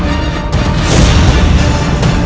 ketika kanda menang kanda menang